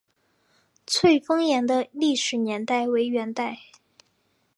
翠峰岩的历史年代为元代。